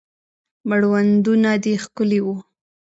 مړوندونه دې ښکلي وه